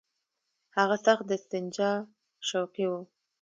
هغه سخت د استنجا شوقي وو.